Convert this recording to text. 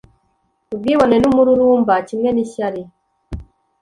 Ubwibone n'umururumba kimwe n'ishyari